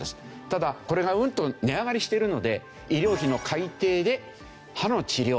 ただこれがうんと値上がりしているので医療費の改定で歯の治療